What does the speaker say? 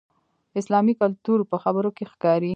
اسلامي کلتور په خبرو کې ښکاري.